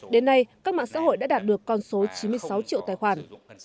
đến nay các mạng xã hội đã đạt được con số chín mươi sáu triệu tài khoản